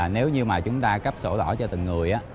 nếu như mà chúng ta cấp sổ đỏ cho từng người